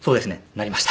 なりました。